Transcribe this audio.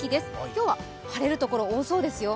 今日は晴れるところ多そうですよ。